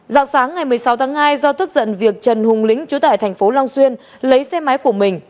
dạo sáng ngày một mươi sáu tháng hai do tức giận việc trần hùng lĩnh chú tại thành phố long xuyên lấy xe máy của mình